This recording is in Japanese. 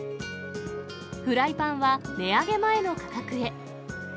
フライパンは値上げ前の価格へ。